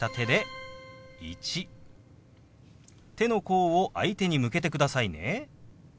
手の甲を相手に向けてくださいね。